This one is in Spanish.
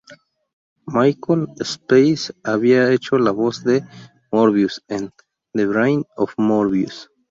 Michael Spice había hecho la voz de Morbius en "The Brain of Morbius".